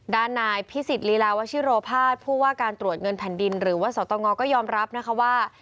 ด้านนายพิสิทธิลีลาวชิโรภาสผู้ว่าการตรวจเงินแผ่นดินหรือว่าสตงก็ยอมรับนะคะว่า